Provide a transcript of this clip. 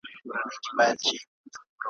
پورې د دې سیمې تاریخي تسلسل یې وڅېړه